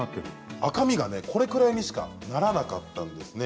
赤みがこれぐらいにしかならなかったんです。